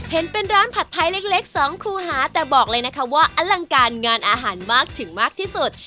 เห็นเป็นร้านผัดไทยเล็กสองคูหาแต่บอกเลยนะคะว่าอลังการงานอาหารมากถึงมากที่สุด